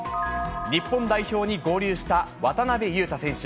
日本代表に合流した渡邊雄太選手。